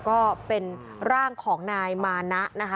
ก็เป็นร่างของนายมานะนะคะ